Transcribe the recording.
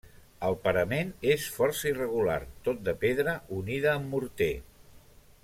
El parament és força irregular, tot de pedra unida amb morter.